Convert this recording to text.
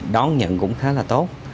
đón nhận cũng khá là tốt